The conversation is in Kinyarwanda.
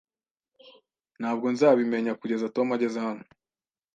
Ntabwo nzabimenya kugeza Tom ageze hano.